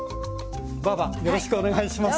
ばぁばよろしくお願いします。